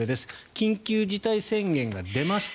緊急事態宣言が出ました